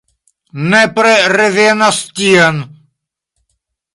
Nepre revenos tien!